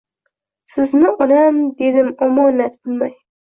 Sizni onam dedim omonat bilmay